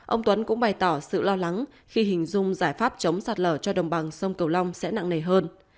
ông tuấn cũng bày tỏ sự lo lắng khi hình dung giải pháp chống sạt lở cho đồng bằng sông cửu long sẽ nặng nề hơn